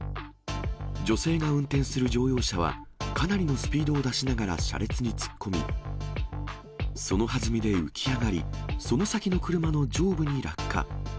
女性が運転する乗用車は、かなりのスピードを出しながら車列に突っ込み、そのはずみで浮き上がり、その先の車の上部に落下。